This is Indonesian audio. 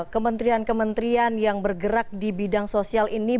kementerian kementerian yang bergerak di bidang sosial ini